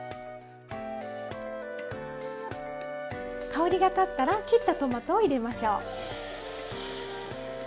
香りが立ったら切ったトマトを入れましょう。